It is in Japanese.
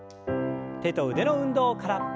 手と腕の運動から。